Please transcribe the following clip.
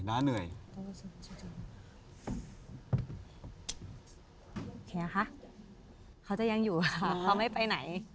เดินอยู่เพราะไม่ไปไหน